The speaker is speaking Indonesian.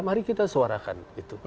mari kita suarakan